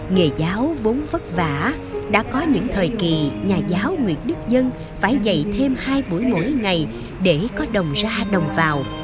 nghề giáo vốn vất vả đã có những thời kỳ nhà giáo nguyễn đức dân phải dạy thêm hai buổi mỗi ngày để có đồng ra đồng vào